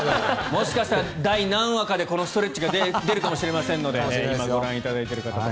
もしかしたら第何話でこのストレッチが出るかもしれませんので今、ご覧いただいている方